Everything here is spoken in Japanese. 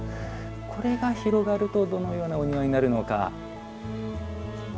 これが広がるとどのようなお庭になるのか。